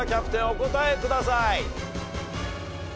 お答えください。